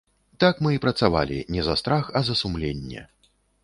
Так мы і працавалі, не за страх, а за сумленне.